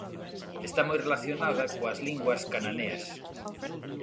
Está moi relacionada coas linguas cananeas.